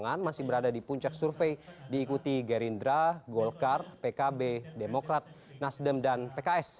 pemilu legislatif dua ribu sembilan belas yang berada di puncak survei diikuti gerindra golkar pkb demokrat nasdem dan pks